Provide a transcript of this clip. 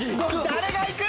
誰がいく？